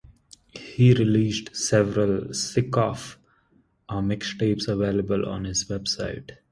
He released several "Sick Of" mixtapes available on his website.